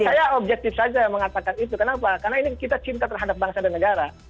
saya objektif saja mengatakan itu kenapa karena ini kita cinta terhadap bangsa dan negara